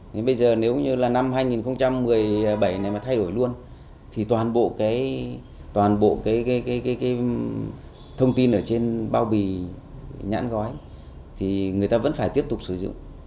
thế bây giờ nếu như là năm hai nghìn một mươi bảy này mà thay đổi luôn thì toàn bộ cái thông tin ở trên bao bì nhãn gói thì người ta vẫn phải tiếp tục sử dụng